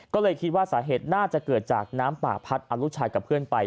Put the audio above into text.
ก็เลยคิดว่าสาเหตุน่าจะเกิดจากน้ำป่าพัดเอาลูกชายกับเพื่อนไป